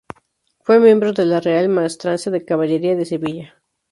Fue miembro de la Real Maestranza de Caballería de Sevilla.